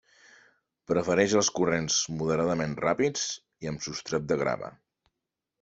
Prefereix els corrents moderadament ràpids i amb substrat de grava.